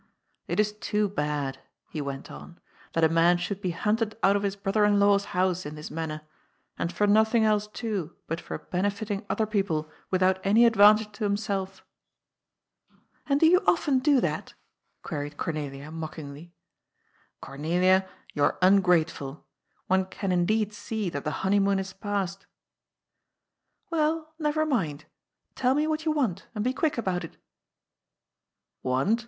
^It is too bad," he went on, ^^ that a man should be hunted out of his brother in law's house in this manner. And for nothing else too but for benefiting other people without any advan tage to himself." And do you often do that?" queried Gomelia mock ingly. ^* Gomelia, you are ungrateful. One can indeed see that the honeymoon is past." " WeU, never mind. Tell me what you want, and be quick about it." " Want